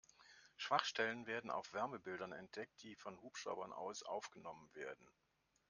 Schwachstellen werden auf Wärmebildern entdeckt, die von Hubschraubern aus aufgenommen werden.